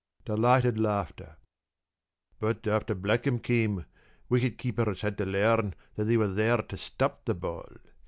p> Delighted laughter. "But after Blackham came wicket keepers had to learn that they were there to stop the ball.